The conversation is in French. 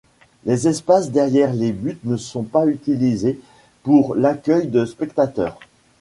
Les espaces derrière les buts ne sont pas utilisés pour l'accueil de spectateurs.